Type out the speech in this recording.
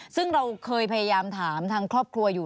ซึ่งเราเคยพยายามถามทางครอบครัวอยู่